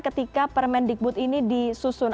ketika permendikbud ini disusun